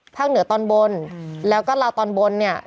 เหนือตอนบนแล้วก็ลาวตอนบนเนี่ย